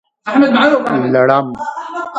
لړم